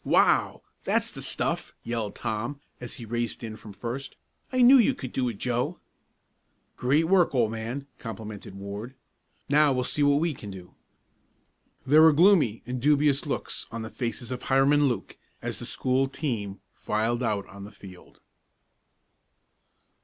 "Wow! That's the stuff!" yelled Tom, as he raced in from first. "I knew you could do it, Joe." "Great work, old man!" complimented Ward. "Now we'll see what we can do." There were gloomy and dubious looks on the faces of Hiram and Luke as the school team filed out on the field.